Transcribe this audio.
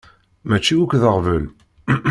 Mačči akk d aɣbel.